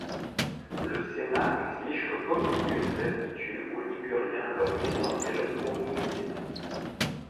Le Sénat exige que Popillius restitue aux Liguriens leurs maisons et leurs propriétés.